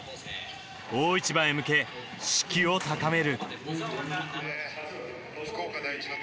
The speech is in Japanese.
大一番へ向け、士気を高める。